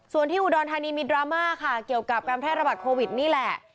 ส่วนที่อุดรธานีมีดราม่าค่ะเกี่ยวกับการแพร่ระบาดโควิดนี่แหละ